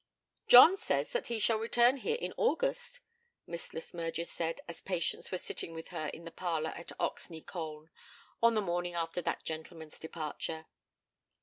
'John says that he shall return here in August,' Miss Le Smyrger said as Patience was sitting with her in the parlour at Oxney Colne, on the morning after that gentleman's departure.